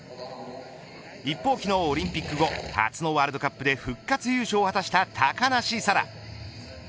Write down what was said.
一方、昨日オリンピック後初のワールドカップで復活優勝を果たした高梨沙羅。